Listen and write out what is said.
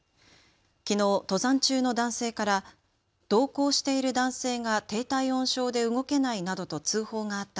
きのう登山中の男性から同行している男性が低体温症で動けないなどと通報があった